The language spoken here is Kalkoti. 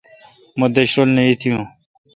مہ دیش رل نہ ایتھیوں۔